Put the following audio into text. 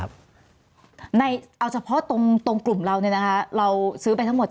เอาเฉพาะตรงกลุ่มเราเนี่ยนะคะเราซื้อไปทั้งหมด